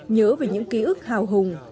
nhớ về những ký ức hào hùng